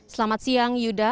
selamat siang yuda